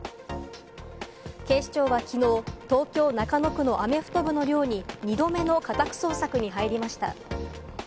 警視庁はきのう、東京・中野区のアメフト部の寮に２度目の家宅捜索に入りました。